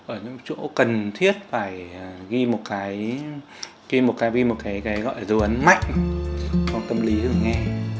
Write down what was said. ở những chỗ cần thiết phải ghi một cái gọi là dấu ấn mạnh trong tâm lý thường nghe